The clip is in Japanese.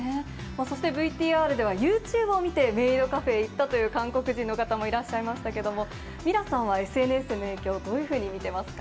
そしてＶＴＲでは、ユーチューブを見て、メイドカフェに行ったという韓国人の方もいらっしゃいましたけれども、ミラさんは、ＳＮＳの影響どういうふうに見てますか？